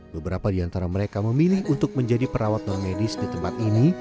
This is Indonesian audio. beberapa di antara mereka memilih untuk menjadi perawat non medis di tempat ini